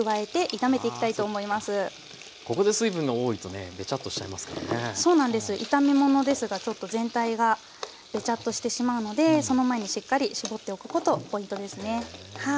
炒め物ですがちょっと全体がべちゃっとしてしまうのでその前にしっかり絞っておくことポイントですねはい。